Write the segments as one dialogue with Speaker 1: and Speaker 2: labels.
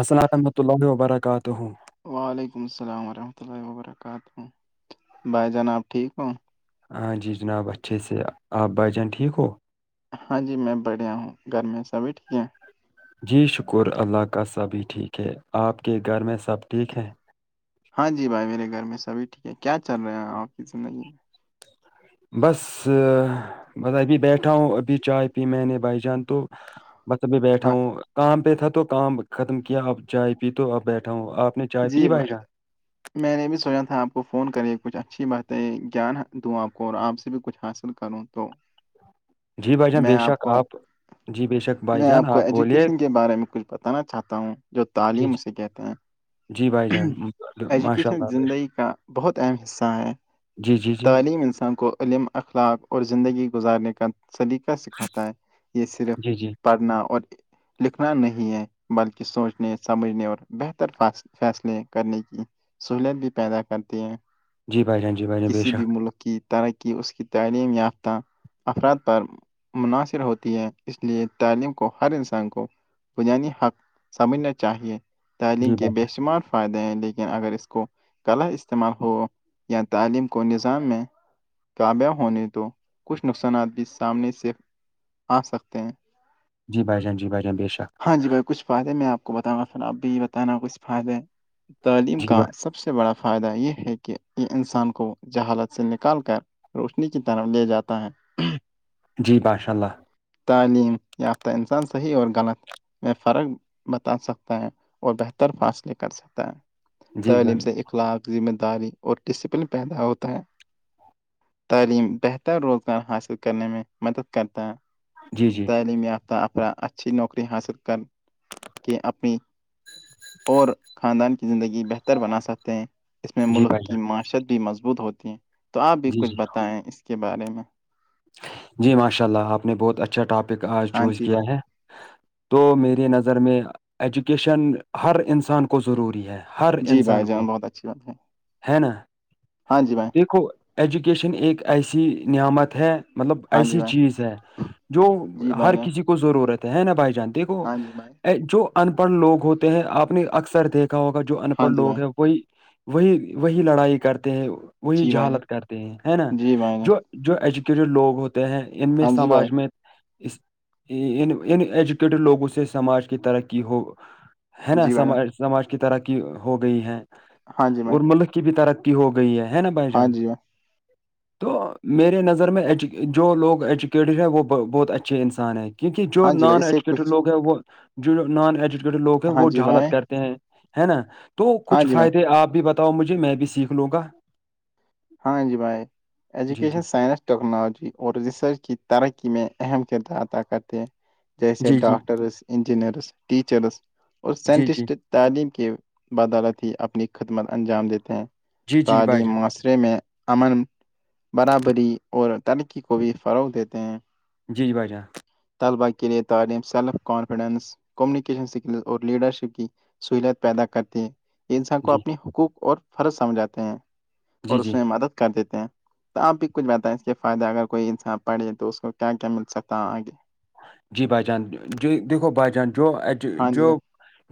Speaker 1: السلام رحمۃہ اللہ وبرکاتہ
Speaker 2: وعلیکم السلام ورحمۃ اللہ وب برکاتہ بھائی جناب ٹھیک ہوں
Speaker 1: ہاں جی جناب اچھے سے آپ بھائی جان ٹھیک ہو
Speaker 2: ہاں جی میں بڑھیا ہوں گھر میں سبھی ٹھیک ہے
Speaker 1: جی شکر اللہ کا سبھی ٹھیک ہے آپ کے گھر میں سب ٹھیک ہیں
Speaker 2: ہاں جی بھائی میرے گھر میں سبھی ٹھیک ہے کیا چل رہے ہیں آپ کی زندگی میں
Speaker 1: بس بس ابھی بیٹھا ہوں ابھی چائے پی میں نے بھائی جان تو بس ابھی بیٹھا
Speaker 2: ہاں
Speaker 1: ہوں کام پہ تھا تو کام ختم کیا اپ جائے پی تو اپ بیٹھا ہوں آپ نے چائے
Speaker 2: جی
Speaker 1: پی بھائی
Speaker 2: بائی
Speaker 1: جان
Speaker 2: میں نے بھی سونا تھا آپ کو فون کرے کچھ اچھی باتیں گیان دوں آپ کو اور آپ سے بھی کچھ حاصل کروں تو
Speaker 1: جی بھائی جان
Speaker 2: میں
Speaker 1: بے شک
Speaker 2: کو
Speaker 1: آپ جی بے شک بھائی
Speaker 2: میں آپ
Speaker 1: جان
Speaker 2: کو
Speaker 1: بولیے
Speaker 2: ایجوکیشن کے بارے میں کچھ بتانا چاہتا ہوں جو
Speaker 1: جی
Speaker 2: تعلیم
Speaker 1: جی
Speaker 2: اسے کہتے ہیں
Speaker 1: جی بھائی جان ماشاء
Speaker 2: ایجوکیشن
Speaker 1: اللہ بے شک۔
Speaker 2: زندگی کا بہت اہم حصہ ہے
Speaker 1: جی جی جی
Speaker 2: تعلیم انسان کو علم اخلاق اور زندگی گزارنے کا سلیقہ سکھاتا ہے یہ صرف
Speaker 1: جی جی
Speaker 2: پڑھنا اور لکھنا نہیں ہے بلکہ سوچنے سمجھنے اور بہتر فاصلہ فیصلے کرنے کی سہولت بھی پیدا کرتے ہیں
Speaker 1: جی بھائی جان جی بھائی جان بے
Speaker 2: کسی بھی
Speaker 1: شک
Speaker 2: ملک کی ترقی اس کی تعلیم یافتہ افراد پر مناحصر ہوتی ہے اس لیے تعلیم کو ہر انسان کو بنیادی حق سمجھنا چاہیئے تعلیم
Speaker 1: جی بھائی
Speaker 2: کے بےر شمار فائدے ہیں لیکن اگر اس کو کلا استعمال ہو یا تعلیم کو نظام میں تابہ ہونے تو کچھ نقصانات بھی سامنے سے آ سکتے ہیں
Speaker 1: جی بائیان جی بائی جان بے شک
Speaker 2: ہاں جی بھائی کچھ فائدے میں آپ کو بتاؤں گا پھر اپ بھی بتانا کچھ فائدے تعلیم
Speaker 1: جی
Speaker 2: کااں سب
Speaker 1: بھائی،
Speaker 2: سب سے بڑا فائدہ یہ ہے کہ یہ انسان کو جہالت سے نکال کر روشنی کی طرح لے جاتا ہے
Speaker 1: جی باشاء اللہ
Speaker 2: تعلیم یافتہ انسان صحیح اور غلط میں فرق بتا سکتا ہے اور بہتر فاصلے کر سکتا ہے
Speaker 1: جی
Speaker 2: تعلیم
Speaker 1: بھائی-
Speaker 2: سے ایک اخلاق ذمہ داری اور ڈسپلن پیدا ہوتا ہے تعلیم بہتر روزگار حاصل کرنے میں مدد کرتا ہے
Speaker 1: جی جی
Speaker 2: تعلیم یافتہ افر اچھی نوکری حاصل کر کے اپنی اور خاندان کی زندگی بہتر بنا سکتے ہیں اس میں
Speaker 1: جی
Speaker 2: ملک
Speaker 1: بھائی
Speaker 2: کی
Speaker 1: جان
Speaker 2: معاشت بھی مضبوط ہوتی ہے تو آپ بھی
Speaker 1: جی
Speaker 2: کچھ
Speaker 1: جی
Speaker 2: بتائیں اس کے بارے میں
Speaker 1: جی ماشاء اللہ آپ نے بہت اچھا ٹاپک آج
Speaker 2: ہاں
Speaker 1: چوز
Speaker 2: جی
Speaker 1: کیا
Speaker 2: بھائی
Speaker 1: ہے تو میری نظر میں ایجوکیشن ہر انسان کو ضروری ہے ہر
Speaker 2: جی بھائی
Speaker 1: انسان کو
Speaker 2: جان بہت اچھی بات ہے
Speaker 1: ہے نا
Speaker 2: ہاں جی بھائی
Speaker 1: دیکھو ایجوکیشن ایک ایسی نعمت ہے مطلب
Speaker 2: ہاں جی
Speaker 1: ایسی
Speaker 2: بھائی
Speaker 1: چیز ہے جو
Speaker 2: جی بھائی
Speaker 1: ہر
Speaker 2: جان
Speaker 1: کسی کو ضرورت ہے نا بھائی جانتے
Speaker 2: ہاں جی بھائی
Speaker 1: جو ان پڑھ لوگ ہوتے ہیں آپ نے اکثر دیکھا ہوگا جو ان
Speaker 2: ہاں
Speaker 1: پڑھ
Speaker 2: جی بھائی
Speaker 1: لوگ ہیں کوئی وہی وہی لڑائی کرتے ہیں وہی
Speaker 2: جی بھائی
Speaker 1: جہالت
Speaker 2: جان
Speaker 1: کرتے ہیں ہے نا
Speaker 2: جی بھائی جان
Speaker 1: جو جو ایجوکیٹڈ لوگ ہوتے ہیں ان میں
Speaker 2: ہاں جی بھائی
Speaker 1: سماج میں اس ان ان ایجوکیٹڈ لوگوں سے سماج کی ترقی ہو ہے نا
Speaker 2: جی بھائی جان
Speaker 1: سماج سماج کی ترقی ہو گئی ہے
Speaker 2: ہاں جی بھائی
Speaker 1: اور ملک کی بھی ترق ہو گئی ہے نا بھائی
Speaker 2: ہاں
Speaker 1: جان
Speaker 2: جی
Speaker 1: تو میرے نظر مظر میںج جو لوگ ایجوکیٹیڈ ہیں وہ بہت اچھے انسان ہیں کیونکہ جو
Speaker 2: ہاں جی بھائی
Speaker 1: نان
Speaker 2: اس سے
Speaker 1: ایجوکیٹڈ
Speaker 2: کچھ
Speaker 1: لوگ ہے وہ جو نان ایجوکیٹڈ لوگ ہیں
Speaker 2: ہاں
Speaker 1: وہ
Speaker 2: جی
Speaker 1: جہالت
Speaker 2: بھائی
Speaker 1: کرتے ہے نا تو
Speaker 2: ہاں
Speaker 1: کچھ
Speaker 2: جی بھائی
Speaker 1: فائدے آپ بھی بتاؤ مجھے میں بھی سیکھ لوں گا
Speaker 2: ہاں جی بھائی
Speaker 1: جی جی
Speaker 2: ایجوکیشن سائنس ٹیکنالوجی اور ریسرچ کی ترقی میں اہم کردار ادا کرتے ہیں جیسے
Speaker 1: جی جی
Speaker 2: ڈاکٹرس انجینئرس ٹیچرس اور
Speaker 1: جی جی
Speaker 2: سائنٹسٹ تعلیم کی بدالت ہی اپنی خدمت انجام دیتے ہیں
Speaker 1: جی جی بھائی
Speaker 2: تعلیم
Speaker 1: جان
Speaker 2: معاص میں امن برابری اور ترقی کو بھی فروغ دیتے ہیں
Speaker 1: جی جی بھائی جان
Speaker 2: طلبا کے لیے تعلیم سیلف کانفیڈینس کمیونکیشن اسکل اور لیڈرشپ کی سہولت پیدا کرتی ہے یہ انسان کو
Speaker 1: جی
Speaker 2: اپنے حقوق اور فرض سمجھاتے ہیں اور
Speaker 1: جی
Speaker 2: اس
Speaker 1: جی
Speaker 2: میں مدد کر دیتے ہیں تو آپ بھی کچھ بتائیں اس کے فائدہ اگر کوئی انسان پڑے تو اس کو کیا کیا مل سکتا ہے آگے
Speaker 1: جی بھائی جان جی دیکھو بھائی جان جو
Speaker 2: ہاں جی
Speaker 1: جو
Speaker 2: بھائی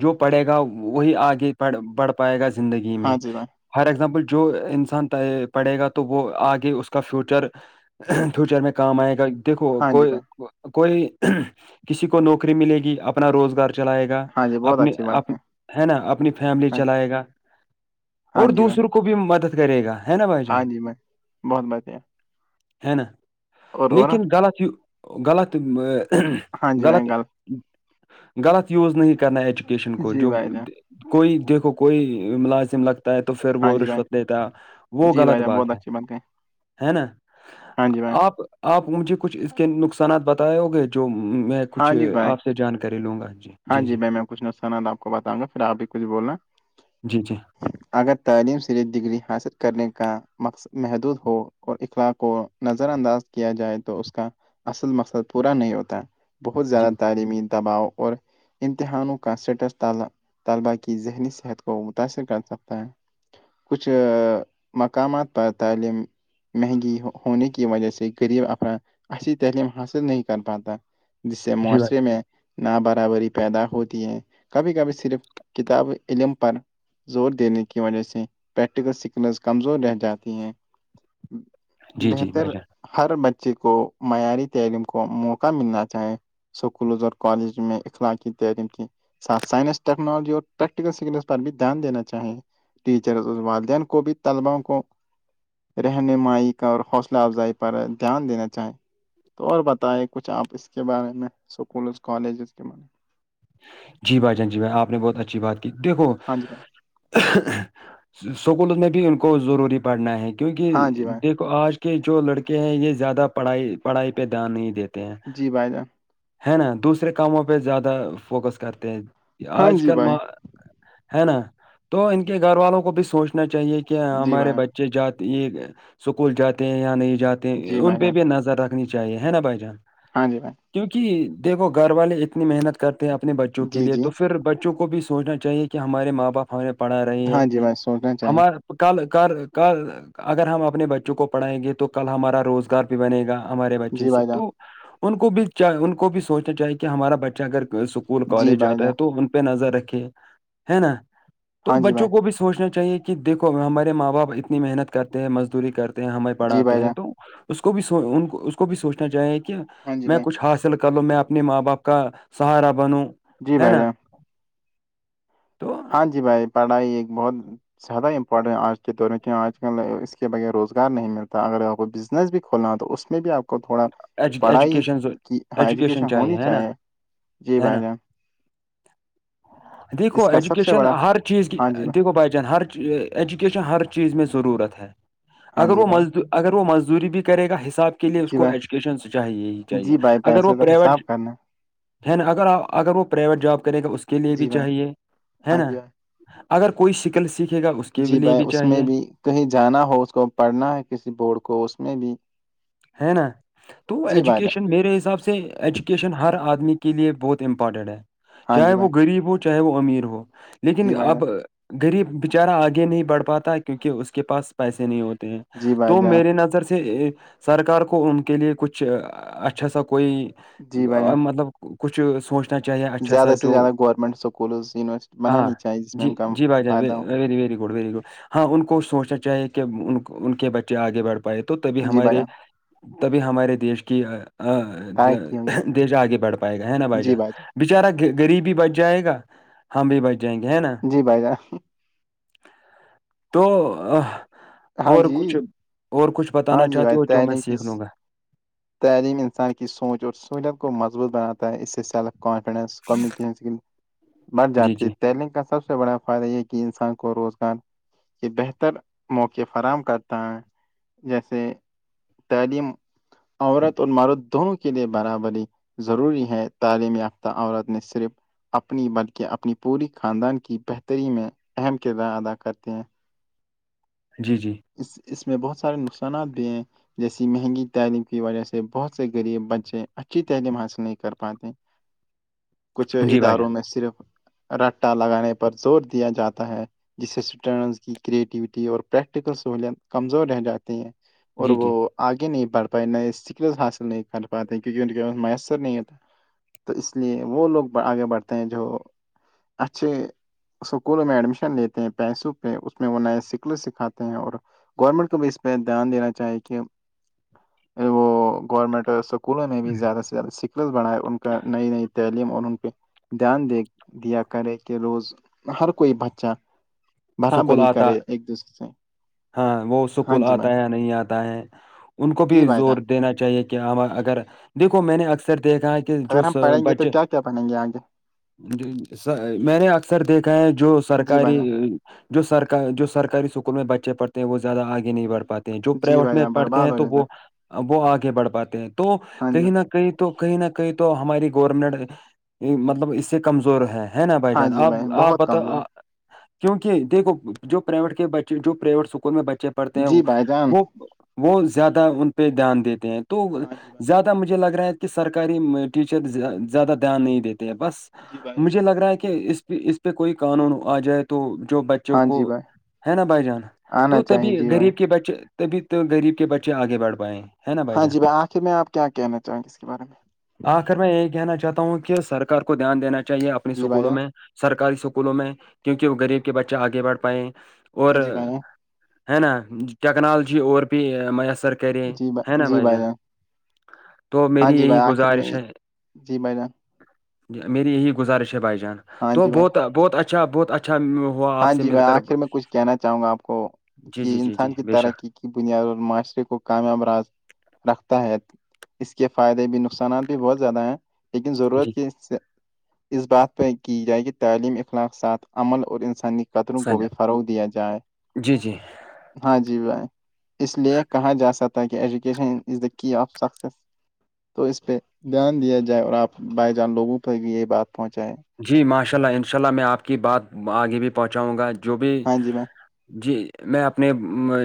Speaker 1: جو پڑھے گا وہی آگےڑ بڑھ پائے گا زندگی میں
Speaker 2: ہاں جی بھائی
Speaker 1: فار ایگزامپل جو انسان پڑھے گا تو وہ آگے اس کا فیوچر فیوچر میں کام آئے گا دیکھو
Speaker 2: ہاں جی
Speaker 1: کوئی
Speaker 2: بھائی
Speaker 1: کوئی کسی کو نوکری ملے گی اپنا روزگار چلائے گا
Speaker 2: ہاں جی بہت
Speaker 1: اپنی
Speaker 2: اچھی بات
Speaker 1: ہے نا اپنی فیملی
Speaker 2: ہاں
Speaker 1: چلائے گا
Speaker 2: ہاں
Speaker 1: اور
Speaker 2: جی بھائی
Speaker 1: دوسروں کو بھی مدد کرے گا ہے نا بھائی
Speaker 2: ہاں
Speaker 1: جان
Speaker 2: جی بھائی بہت بڑھیا
Speaker 1: ہے نا
Speaker 2: اور اور
Speaker 1: لیکن غلط یہ غلط
Speaker 2: ہاں جی بھائی
Speaker 1: غلط
Speaker 2: گل
Speaker 1: غلط یوز نہیں کرنا ایجوکیشن کو
Speaker 2: جی
Speaker 1: جو
Speaker 2: بھائی جان
Speaker 1: کوئی دیکھو کوئی ملازم لگتا تو پھر
Speaker 2: ہاں
Speaker 1: وہ
Speaker 2: جی بھائی
Speaker 1: رشوت لیتا وہ
Speaker 2: جی بھائی
Speaker 1: غلط
Speaker 2: جان بہت
Speaker 1: بات ہے
Speaker 2: اچھی
Speaker 1: ہے نا
Speaker 2: ہاں جی بھائی
Speaker 1: آپ آپ مجھے کچھ اس کے نقصانات بتائے ہو گے جو میں کچھ
Speaker 2: ہاں جی بھائی
Speaker 1: آپ سے جانکاری لوں گا جی
Speaker 2: ہاں جی بائی میں کچھ سنا تھا کو بتاؤں گا پھر آپ ہی کچھ بولنا
Speaker 1: جی جی
Speaker 2: اگر تعلیم سے لیے ڈگری حاصل کرنے کا مقصد محدود ہو اور اخلاق کو نظر انداز کیا جائے تو اس کا اصل مقصد پورا نہیں ہوتا ہے بہت زیادہ تعلیمی دباؤ اور امتحانوں کا سٹس تالا طلبا کی ذہنی صحت کو متاثر کر سکتا ہے کچھ مقامات پر تعلیم مہنگی ہونے کی وجہ سے غریب افراد ایسی تعلیم حاصل نہیں کر پاتا جسے
Speaker 1: جی جی بھائی
Speaker 2: معاشرے
Speaker 1: جان،
Speaker 2: میں نا برابری پیدا ہوتی ہے کبھی کبھی صرف کتاب علم پر زور دینے کی وجہ سے پریکٹیکل سکنز کمزور رہ جاتی ہیں
Speaker 1: جی جی
Speaker 2: بہتر
Speaker 1: بھائی جان
Speaker 2: ہر بچے کو معیاری تعلیم کو موقع ملنا چاہیں اسکولز اور کالج میں اخلاقی تعلیم کیھی ساتھ سائنس ٹیکنالوجی اور پریکٹیکل سکلس پر بھی دھیان دینا چاہیں ٹیچر اور والدین کو بھی طلبا کو رہنمائی کا اور حوصلہ افزائی پر دھیان دینا چاہیں تو اور بتائائے کچھ آپ اس کے بارے میں اسکولز کالجز کے بارے میں
Speaker 1: جی بھائی جن جی بھائی آپ نے بہت اچھی بات کی دیکھو
Speaker 2: ہاں جی بھائی
Speaker 1: اسکولوں میں بھی ان کو ضروری پڑھنا ہے کیونکہ
Speaker 2: ہاں جی بھائی
Speaker 1: د آج کے جو لڑکے ہیں یہ زیادہ پڑھائی پڑھائی پہ دھیان نہیں دیتے ہیں
Speaker 2: جی بھائی جان
Speaker 1: ہے نا دوسرے کاموں پہ زیادہ فوکس کرتے ہیں
Speaker 2: ہاں
Speaker 1: آج
Speaker 2: جی
Speaker 1: کل
Speaker 2: بھائی
Speaker 1: ہے نا تو ان کے گھر والوں کو بھی سوچنا چاہیے کہ
Speaker 2: جی
Speaker 1: ہمارے
Speaker 2: بھائی جان
Speaker 1: بچے بچے جاتے یہ اسکول جاتے ہیں یا نہیں جاتے ہیں
Speaker 2: جی
Speaker 1: ان
Speaker 2: بھائی
Speaker 1: پہ
Speaker 2: جان
Speaker 1: بھی نظر رکھنی چاہ چاہیے ہے نا بھائی جان
Speaker 2: ہاں جی بھائی [inaudible]
Speaker 1: کیونکہ دیکھو گھر والے اتنی محنت کرتے ہیں اپنے بچوں کے
Speaker 2: جی
Speaker 1: لیے
Speaker 2: جی
Speaker 1: تو پھر بچوں کو بھی سوچنا چ چاہیے کہ ہمارے ماں باپ ہمیں پڑھا رہے ہیں
Speaker 2: ہاں جی بھائی سوچنا چاہیے
Speaker 1: ہمار کل کر ک اگر ہم اپنے بچوں کو پڑھائیں گے تو کل ہمارا روزگار بھی بنے گا [inaudible] ہمارے بچے
Speaker 2: جی
Speaker 1: سے
Speaker 2: بھائی
Speaker 1: تو
Speaker 2: جان
Speaker 1: ان کو بھی ان کو بھی سوچنا چاہے کہ ہمارا بچہ اگر اسکول
Speaker 2: جی
Speaker 1: کالج
Speaker 2: بھائی
Speaker 1: آاتتا
Speaker 2: جان
Speaker 1: ہے تو ان پہ نظر رکھے ہے نا تو
Speaker 2: ہاں جی بھائی
Speaker 1: بچوں کو بھی سوچنا چاہیے کہ دیکو ہمارے ماں باپ اتنی محنت کرتے ہیں مزدوری کرتے ہیں ہمیں
Speaker 2: جی
Speaker 1: پڑھاتے
Speaker 2: بھائی
Speaker 1: ہیں
Speaker 2: جان
Speaker 1: تو اس کو بھی اس کو بھی سوچنا چاہیں گ کہ
Speaker 2: ہاں جی
Speaker 1: میں
Speaker 2: بھائی
Speaker 1: کچھ ہاص کر لو میں اپنے ماں باپ کا سہارا بنوں
Speaker 2: جی
Speaker 1: ہے
Speaker 2: بھائی
Speaker 1: نا
Speaker 2: جان
Speaker 1: تو
Speaker 2: ہاں جی بھائی پڑھائی ایک بہت زیادہ امپورٹنٹ آج کے دور میں آج کل اس کے بغیر روزگار نہیں ملتا اگر آپ کو ب س بھی کھولنا ہے تو میں بھی آپ کو کو تھوڑا
Speaker 1: ایجو-
Speaker 2: پڑھائی
Speaker 1: ایجوکیشن ضرور-
Speaker 2: کی ہاں ایجوکیشن ہونی
Speaker 1: ہے نا
Speaker 2: چاہیے جی
Speaker 1: ہے نا
Speaker 2: بھائی جان
Speaker 1: دیکھو
Speaker 2: اس کا سب سے
Speaker 1: ایجوکیشن
Speaker 2: بڑا
Speaker 1: ہر چیز کی
Speaker 2: ہاں جی بھائی
Speaker 1: دیک گو بچن ہری [inaudible] ایجوکیشن ہر چیز میں ضرورت ہے
Speaker 2: ہاں
Speaker 1: اگر
Speaker 2: جی
Speaker 1: وہ
Speaker 2: بھائی
Speaker 1: مز اگر وہ مزدوری بھی کرے گا حساب کے کے لیے اس
Speaker 2: جی
Speaker 1: کو
Speaker 2: بھائی
Speaker 1: ایجوکیشن چاہیے ہی چاہیے
Speaker 2: جی بھائی
Speaker 1: اگر وہ
Speaker 2: پیسے کا
Speaker 1: پرائیویٹ
Speaker 2: حساب کرنا
Speaker 1: ہے نا اگر اگر وہ پرائیویٹ جاب کرے گا اس کے لیے بھی
Speaker 2: جی بھائی
Speaker 1: چاہیے ہے
Speaker 2: ہاں
Speaker 1: نا
Speaker 2: جی بھائی
Speaker 1: اگر کوئی شکل سیکھے گا اس کے بھی
Speaker 2: جی
Speaker 1: لیے
Speaker 2: بھائی
Speaker 1: بھی
Speaker 2: اس میں
Speaker 1: چاہیے
Speaker 2: بھی کہیں جانا ہو اس کو پڑھنا ہے کسی بورڈ کو اس میں بھی
Speaker 1: ہے نا تو
Speaker 2: جی بھائی جان
Speaker 1: ایجوکیشن میرے حساب سے سے ایجوکیشن ہر آدمی کے لیے بہت امپورٹنٹ ہے
Speaker 2: ہاں
Speaker 1: چاہے
Speaker 2: جی
Speaker 1: وہ
Speaker 2: بھائی
Speaker 1: گغریب ہو چ چاہے وہ امیر ہو لیکن
Speaker 2: جی بھائی جان
Speaker 1: اب غریب بچارہ آگے نہیں بڑھ پاتا ہے کیونکہ اس کے پاس پیسے نہیں ہوتے ہیں
Speaker 2: جی
Speaker 1: تو
Speaker 2: بھائی جان
Speaker 1: میری نظر سے سرکار کو ان کے لیے کچھ اچھا سا کوئی
Speaker 2: جی بھائی جان
Speaker 1: مطلب کچھ سوچ نا چاہیے اچھا سا
Speaker 2: زیادہ سے
Speaker 1: جو
Speaker 2: زیادہ گورنمنٹ اسکولز یونیورسٹی
Speaker 1: ہاں
Speaker 2: بنانی چاہیے جس میں
Speaker 1: جی
Speaker 2: ان کا
Speaker 1: جی بھائی جان وی
Speaker 2: فائدہ ہو
Speaker 1: وی گڈ وی گڈ [inaudible] ہاں ان کو سوچنا چاہیے کہ ان ان کے بچے آگے بڑھ پائے تو تبھی
Speaker 2: جی بھائی
Speaker 1: ہمارے
Speaker 2: جان
Speaker 1: تبھی ہمارے دیش کی
Speaker 2: کائے کی ہوئی
Speaker 1: دیش آگے بڑھ پائے گا ہے نا بھائی جان بچارا غریبی بچ جائے گا ہم بھی بچ جائیں گے ہے نا [inaudible]
Speaker 2: جان جی بھائی جان
Speaker 1: تو
Speaker 2: ہاں
Speaker 1: اور
Speaker 2: جی
Speaker 1: کچھ اور کچھ
Speaker 2: ہاں
Speaker 1: بتانا
Speaker 2: جی
Speaker 1: چاہتے
Speaker 2: بھائی
Speaker 1: ہو [inaudible]
Speaker 2: تعلیم کی
Speaker 1: لوں گا
Speaker 2: تعلیم انسان کی سوچ اور سہولت کو مضبوط بناتا ہے اس سے سیلف کانفیڈنس کمیونیکیشن اسکل بر
Speaker 1: جی
Speaker 2: جاتی ہے
Speaker 1: جی
Speaker 2: تعلیم کا سب سے بڑا فائدہ یہ کہ انسان کو روزگار کے بہتر موقع فراہم کرتا ہے جیسے تعلیم عورت اور مرد دونوں کے لیے برابری ضروری ہے تعلیم یافتہ عورت نے صرف اپنی بلکہ اپنی پوری خاندان کی بہتری میں اہم کردار ادا کرتے ہیں
Speaker 1: جی جی
Speaker 2: اس اس میں بہت سارے نقصانات بھی ہیں جیسی مہنگی تعلیم کی وجہ سے بہت سے غریب بچے اچھی تعلیم حاصل نہیں کر پاتے کچھ
Speaker 1: جی بھائی جان
Speaker 2: اداروں میں صرف رٹا لگانے پر زور دیا جاتا ہے جسے اسٹوڈین کی کریٹیوٹی اور سہت کمزور رہ جاتی ہیں اور
Speaker 1: جی
Speaker 2: وہ
Speaker 1: جی
Speaker 2: آگے نہیں بڑھ پائے نئے سکلت حاصل نہیں کر پاتے کیونکہ ان کے پاس میسر نہیں ہوتا تو اس لیے وہ لوگ آگے بڑھتے ہیں جو اچھے اسکولوں میں ایڈمیشن لیتے ہیں پیسوں پہ اس میں وہ نئے سکل سکھات ہیں اور گورنمنٹ کو بھی اس پہ دھیان دینا چاہیے کہ وہ گورنمنٹ اسکولوں میں بھی زیادہ سے سکھلت بڑائے ان کا نئی نئی تعلیم اور ان کے دھیان دے دیا کرے کہ روز ہر کوئی بچہ
Speaker 1: سکول
Speaker 2: برابری ہی
Speaker 1: آتا
Speaker 2: کرے ایک دوسرے سے
Speaker 1: ہاں وہ
Speaker 2: ہاں
Speaker 1: سکول
Speaker 2: جی بھائی
Speaker 1: آتا ہے نہیں آتا ہے ان کو
Speaker 2: جی
Speaker 1: بھی
Speaker 2: بھائی جان
Speaker 1: زور دینا چاہیے کیا اگر دیکھو میں نے اکثر دیکھا ہے کہ جو
Speaker 2: اگر ہم پڑھیں گے تو کیا کیا پڑھیں گے آگے
Speaker 1: جی میں نے اکثر دیکھا ہے جو
Speaker 2: جی بھائی
Speaker 1: سرکاری
Speaker 2: جان
Speaker 1: جو سرک جو سرکاری اسکول میں بچے پڑھتے ہیں وہ زیادہ آگے نہیں بڑھ پاتے جو
Speaker 2: جی
Speaker 1: پرائیوٹ
Speaker 2: بھائی
Speaker 1: میں
Speaker 2: جان
Speaker 1: پڑھتے
Speaker 2: برباد
Speaker 1: ہیں
Speaker 2: ہو
Speaker 1: تو
Speaker 2: جاتا
Speaker 1: وہ
Speaker 2: ہے۔
Speaker 1: وہ آگے بڑھ پاتے ہیں تو
Speaker 2: ہاں جی
Speaker 1: کہیں
Speaker 2: بھائی،
Speaker 1: نہ کہ کہیں تو کہیں نہ کہیں تو ہماری گورنمنٹ مطلب اس سے کمزور ہے ہے نا بھائی
Speaker 2: ہاں
Speaker 1: جان
Speaker 2: جی
Speaker 1: آپ آپ
Speaker 2: بہت کمزور
Speaker 1: بتاؤ کیونکہ دیکھو جو پرائیویٹ کے بچے جو پرائیویٹ اسکول میں بچے پڑھتے
Speaker 2: ہے
Speaker 1: ہیں
Speaker 2: جی بھائی جان
Speaker 1: وہ وہ زیادہ ان پہ دھیان دیتے ہیں تو
Speaker 2: ہاں جی بھائی
Speaker 1: زیادہ مجھے لگ رہا ہے کہ سرکاری ٹیچر زیادہ دھیان نہیں دیتے ہیں بس
Speaker 2: جی بھائی جان
Speaker 1: مجھے لگ رہا ہے کہ اس پ اس پہ کوئی قانون آ جائے تو تو جو بچوں
Speaker 2: ہاں
Speaker 1: کو
Speaker 2: جی بھائی
Speaker 1: ہے نا بھائی جان
Speaker 2: آنا
Speaker 1: تو
Speaker 2: چاہیے
Speaker 1: تبھی
Speaker 2: جی بھائی
Speaker 1: غریب کے بچے تبھی تو غریب کے بچے آگے بڑھ پائیں
Speaker 2: ہاں جی بھائی آخر میں آپ کیا کہنا چاہیں گے اس کے بارے میں
Speaker 1: آخر میں یہی کہنا چاہتا ہوں کہ سرک کو دھیان دینا چاہیے اپنی
Speaker 2: میں جی بھائی
Speaker 1: اسکولوں میں
Speaker 2: جان
Speaker 1: سرکاری اسکولوں میں کیونکہ وہ گغریب کے بچے آگے بڑھ پائے اور
Speaker 2: جی بھائی جان
Speaker 1: ہے نا ٹیکنالوجی اور پ میسر کرے ہے نا بھائی جان تو
Speaker 2: ہاں
Speaker 1: میری
Speaker 2: جی بھائی
Speaker 1: یہی
Speaker 2: آخر میں
Speaker 1: گزارش ہے
Speaker 2: جی بھائی جان
Speaker 1: میری یہی گزارش ہے بھائی جان
Speaker 2: ہاں
Speaker 1: تو
Speaker 2: جی بھائی
Speaker 1: بہت بہت اچھا بہت اچھا ہوا آپ
Speaker 2: ہاں
Speaker 1: سے
Speaker 2: جی
Speaker 1: مل
Speaker 2: بھائی
Speaker 1: کر
Speaker 2: آخر میں کچھ کہنا چاہوں گا آپ کو
Speaker 1: جی
Speaker 2: کہ
Speaker 1: جی جی جی
Speaker 2: انسان کی
Speaker 1: بے شک
Speaker 2: ترقی کی بنیاد اور معاشرے کو کامیاب راز رکھتا ہے اس کے فائدے بھی نقصانات بھی بہت زیادہ ہیں لیکن
Speaker 1: جی
Speaker 2: ضرورت کی اس سے اس بات پہ کی جائے کہ تعلیمی اخلاق ساتھ عمل اور انسانی قتروں کو
Speaker 1: سنجے
Speaker 2: بھی فروغ دیا جائے
Speaker 1: جی جی
Speaker 2: ہاں جی بھائی اس لیے کہا جا سکتا ہے کہ education is the key of success تو اس پہ دھیان دیا جائے اور آپ بائی جان لوگوں تک بھی یہ بات پہنچائیں
Speaker 1: جی ماشاء اللہ انشاء اللہ میں آپ کی بات آگے بھی پہنچاؤں گا جو بھی
Speaker 2: ہاں جی بھائی
Speaker 1: جی میں اپنے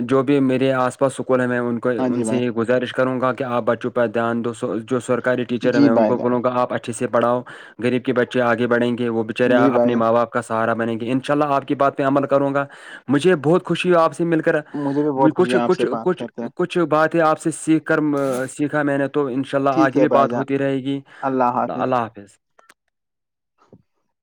Speaker 1: جو بھی میرے آس پاس سکول ہیں میں ان کو
Speaker 2: ہاں
Speaker 1: ان
Speaker 2: جی
Speaker 1: سے
Speaker 2: بھائی
Speaker 1: یہ گزارش کروں گا کہ آپ بچوں پر دھیان دو جو سرکاری ٹیچر
Speaker 2: جی
Speaker 1: میں ان
Speaker 2: بھائی
Speaker 1: کو
Speaker 2: جان
Speaker 1: بولوںا آپ اچھے سے پڑاؤ غریب کے بچے آگے بڑیں گے وہ بچارے
Speaker 2: جی بھائی
Speaker 1: اپنے ماں بپ کا سہارا بنے گے ان شاء اللہ آ کی باتہمل کروں گا مجھے بہت خوشی ہو آپ سے مل کر
Speaker 2: مجھے بھی بہت خوشی
Speaker 1: کچھ
Speaker 2: ہے آپ
Speaker 1: کچھ
Speaker 2: سے بات
Speaker 1: کچھ
Speaker 2: کرتے ہیں
Speaker 1: کچھ باتیں آپ سے سیکھ کر سیکھا میں نے تو تو ان شاء اللہ
Speaker 2: ٹھیک
Speaker 1: آگے
Speaker 2: ہے
Speaker 1: بھی
Speaker 2: بھائی
Speaker 1: بات
Speaker 2: جان
Speaker 1: ہوتی رہے گی اللہ حافظ
Speaker 2: [unintelligible]